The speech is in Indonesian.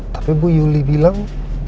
tapi bu yuli bilang